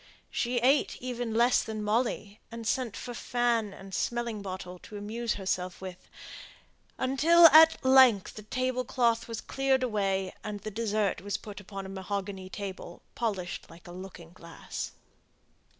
She ate even less than Molly, and sent for fan and smelling bottle to amuse herself with, until at length the table cloth was cleared away, and the dessert was put upon a mahogany table, polished like a looking glass.